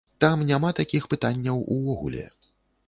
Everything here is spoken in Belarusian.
Там няма такіх пытанняў увогуле.